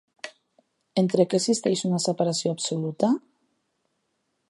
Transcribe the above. Entre què existeix una separació absoluta?